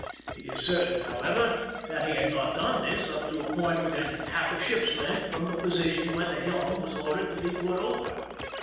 It is certain, however, that he had not done this up to a point within half a ship's length from the position where the helm was ordered to be put over.